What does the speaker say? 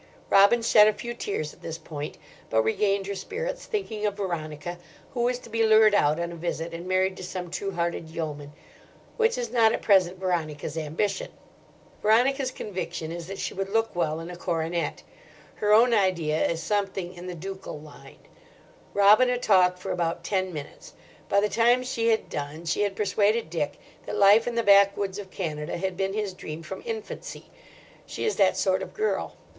Robin shed a few tears at this point, but regained her spirits, thinking of Veronica, who was to be lured out on a visit and married to some true hearted yeoman: which is not at present Veronica's ambition. Veronica's conviction is that she would look well in a coronet: her own idea is something in the ducal line. Robina talked for about ten minutes. By the time she had done she had persuaded Dick that life in the backwoods of Canada had been his dream from infancy. She is that sort of girl.